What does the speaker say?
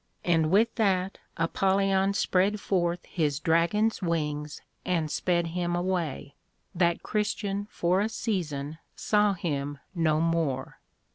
_ And with that Apollyon spread forth his Dragon's wings, and sped him away, that Christian for a season saw him no more.